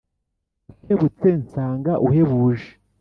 Ukebutse nsanga uhebuje